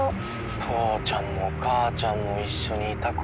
父ちゃんも母ちゃんも一緒にいた頃。